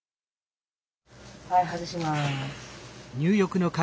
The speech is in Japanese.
はい外します。